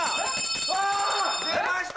出ました！